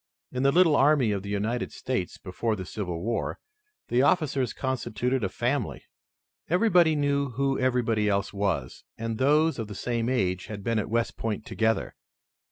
In the little army of the United States before the Civil War, the officers constituted a family. Everybody knew who everybody else was, and those of the same age had been at West Point together.